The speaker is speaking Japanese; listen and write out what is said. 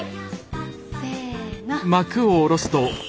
せの！